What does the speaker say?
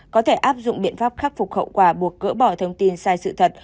có thể áp dụng biện pháp khắc phục khẩu quả buộc cỡ bỏ thông tin sai sự thật